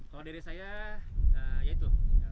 kalau dari saya ya itu